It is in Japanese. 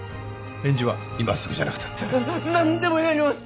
返事は今すぐじゃなくたって何でもやります